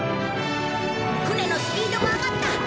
船のスピードが上がった。